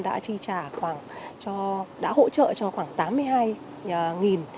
đã hỗ trợ cho khoảng